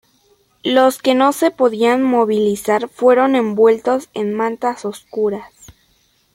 Los que no se podían movilizar fueron envueltos en mantas oscuras.